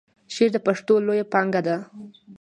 شعر د پښتو لویه پانګه ده.